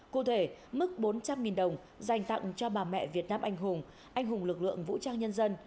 cụ thể mức bốn trăm linh đồng dành tặng cho bà mẹ việt nam anh hùng anh hùng lực lượng vũ trang nhân dân